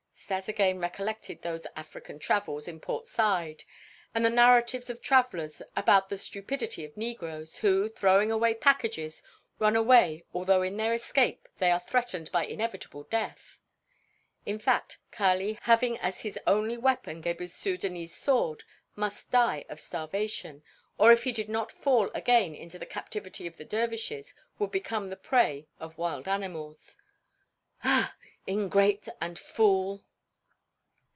Stas again recollected those "African Travels" in Port Said, and the narratives of travelers about the stupidity of negroes, who, throwing away packages, run away although in their escape they are threatened by inevitable death. In fact, Kali, having as his only weapon Gebhr's Sudânese sword, must die of starvation, or if he did not fall again into the captivity of the dervishes would become the prey of wild animals. Ah! Ingrate and fool!